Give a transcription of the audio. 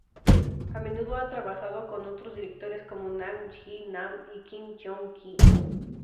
A menudo ha trabajado con otros directores como Nam Gi-nam y Kim Cheong-gi.